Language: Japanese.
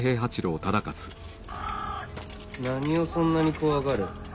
何をそんなに怖がる？